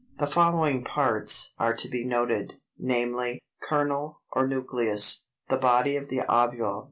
The following parts are to be noted, viz. KERNEL or NUCLEUS, the body of the ovule.